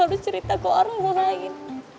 harus cerita ke orang lain